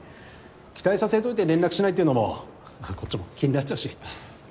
期待させといて連絡しないっていうのもこっちも気になっちゃうし。